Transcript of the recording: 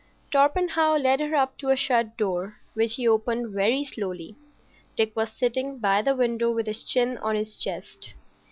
Torpenhow led her up to a shut door, which he opened very softly. Dick was sitting by the window, with his chin on his chest.